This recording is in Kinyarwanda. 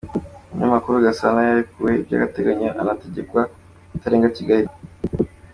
Umunyamakuru Gasana yarekuwe by’agateganyo anategekwa kutarenga Kigali